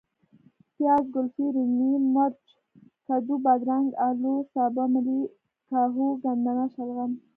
پیاز ،ګلفي ،رومي ،مرچ ،کدو ،بادرنګ ،الو ،سابه ،ملۍ ،کاهو ،ګندنه ،شلغم